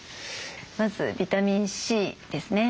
まずビタミンＣですね。